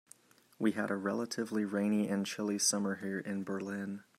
We had a relatively rainy and chilly summer here in Berlin.